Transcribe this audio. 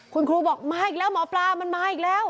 คุณครูบอกมาอีกแล้วหมอปลามันมาอีกแล้ว